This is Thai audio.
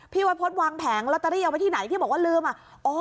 วัยพฤษวางแผงลอตเตอรี่เอาไว้ที่ไหนที่บอกว่าลืมอ่ะ